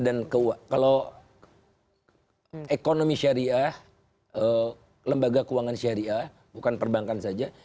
dan kalau ekonomi syariah lembaga keuangan syariah bukan perbankan saja